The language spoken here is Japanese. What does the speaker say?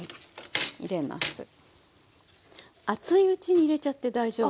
熱いうちに入れちゃって大丈夫よ。